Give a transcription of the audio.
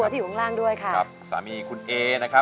เปลี่ยนเพลงเพลงเก่งของคุณและข้ามผิดได้๑คำ